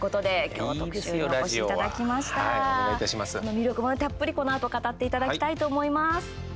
魅力も、たっぷりこのあと語っていただきたいと思います。